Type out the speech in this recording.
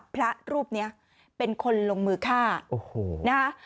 พระรูปนี้เป็นคนลงมือฆ่าโอ้โหนะฮะ